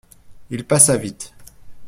Il passa vite.